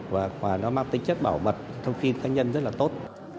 và nó mang tính chất bảo mật thông tin cá nhân rất là tốt